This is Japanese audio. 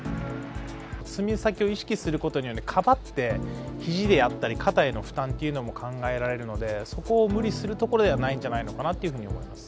爪先を意識することによって、かばって、ひじであったり、肩への負担というのも考えられるので、そこを無理するところではないんじゃないかなと思います。